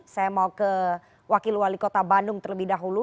saya mau ke wakil wali kota bandung terlebih dahulu